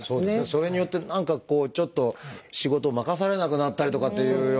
それによって何かこうちょっと仕事を任されなくなったりとかっていうようなことになるとね。